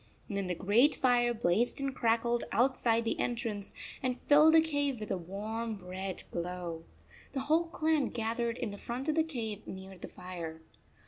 Then the great fire blazed and crackled outside the entrance and filled the cave with a warm red glow. The whole clan gathered in the front of the cave near the fire.